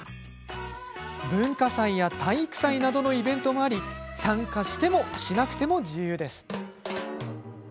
文化祭や体育祭などのイベントもあり参加しても、しなくても自由です。